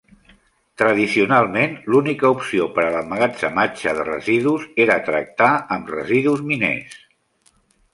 Tradicionalment, l'única opció per a l'emmagatzematge de residus era tractar amb residus miners.